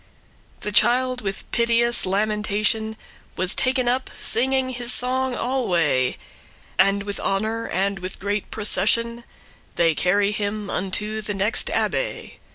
The child, with piteous lamentation, Was taken up, singing his song alway: And with honour and great procession, They crry him unto the next abbay.